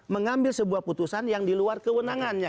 mengambil sebuah putusan yang di luar kewenangannya